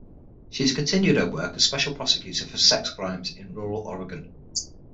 She has continued her work as Special Prosecutor for Sex Crimes in rural Oregon.